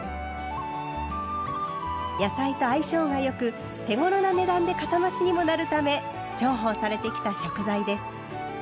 野菜と相性が良く手ごろな値段でかさ増しにもなるため重宝されてきた食材です。